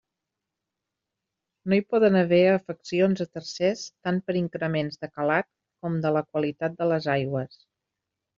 No hi poden haver afeccions a tercers tant per increments de calat com de la qualitat de les aigües.